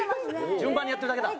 順番にやってるだけだ。